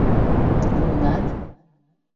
— Муынат?